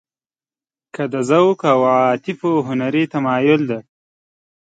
که د ذوق او عواطفو هنري تمایل دی.